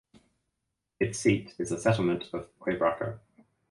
Its seat is the settlement of Quebracho.